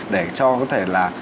để cho có thể là